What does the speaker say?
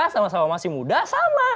sama sama masih muda sama